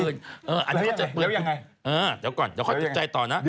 อันนี้เดี๋ยวก่อนเดี๋ยวค่อยติดใจต่อนะ